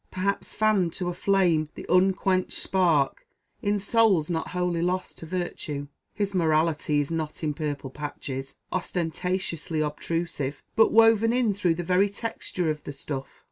perhaps fanned to a flame the unquenched spark, in souls not wholly lost to virtue. His morality is not in purple patches, ostentatiously obtrusive, but woven in through the very texture of the stuff.